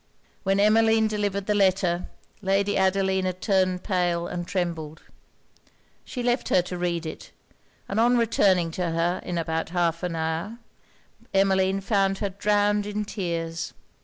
When Emmeline delivered the letter, Lady Adelina turned pale, and trembled. She left her to read it; and on returning to her in about half an hour, Emmeline found her drowned in tears.